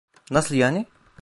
Nasıl yani?